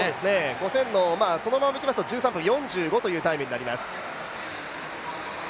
５０００のそのままいきますと１３分４５というタイムになります。